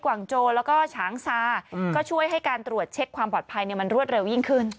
ว่างโจแล้วก็ฉางซาก็ช่วยให้การตรวจเช็คความปลอดภัยมันรวดเร็วยิ่งขึ้น